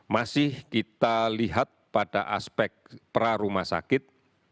masih kita lihat pada aspek prarumah sakit